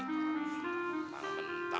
bang bentang deh